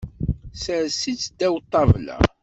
Sers-itt ddaw ṭṭabla.